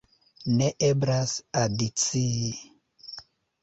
Ne eblas adicii.